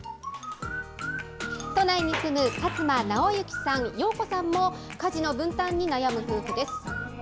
都内に住む、勝間直行さん、葉子さんも、家事の分担に悩む夫婦です。